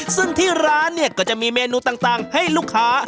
ซึ่งที่ร้านเนี่ยก็จะมีเมนูต่างให้ลูกค้า